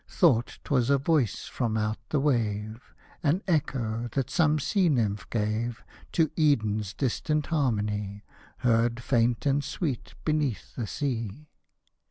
Thought ^twas a voice from out the wave. An echo, that some sea nymph gave To Eden's distant harmony. Heard faint and sweet beneath the sea